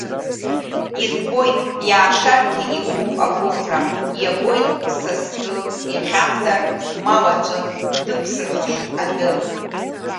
Избоит, иаашаргьы, иумоуп агәыӷра, иагоит са стәы иахьамзар, ма уаҵәы дықәсырхашт адәы.